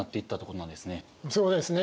そうですね。